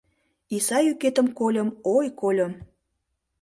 Иса йӱкетым кольым, ой, кольым.